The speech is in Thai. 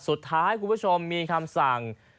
สุดท้ายคุณผู้ชมมีคำสั่ง